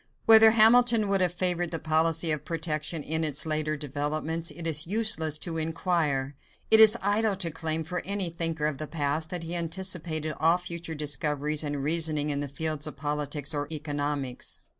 Whether Hamilton would have favored the policy of protection in its later developments, it is useless to inquire. It is idle to claim for any thinker of the past that he anticipated all future discoveries and reasoning in the fields of politics or economics.